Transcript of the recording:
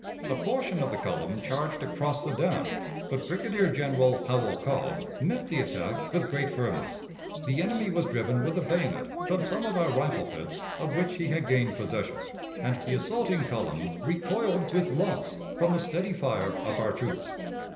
A portion of the column charged across the dam, but Brigadier General Howell Cobb met the attack with great firmness, the enemy was driven with the bayonet from some of our rifle pits of which he had gained possession, and the assaulting column recoiled with loss from the steady fire of our troops.